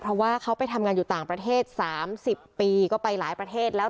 เพราะว่าเขาไปทำงานอยู่ต่างประเทศ๓๐ปีก็ไปหลายประเทศแล้ว